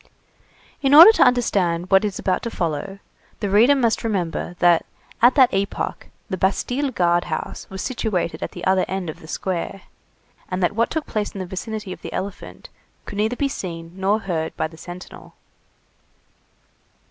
In order to understand what is about to follow, the reader must remember, that, at that epoch, the Bastille guard house was situated at the other end of the square, and that what took place in the vicinity of the elephant could neither be seen nor heard by the sentinel.